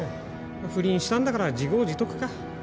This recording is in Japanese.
不倫したんだから自業自得か。